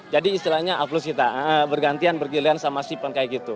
jadi istilahnya aflus kita bergantian bergilaian sama sipan kayak gitu